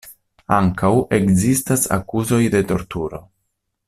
Ankaŭ ekzistas akuzoj de torturo.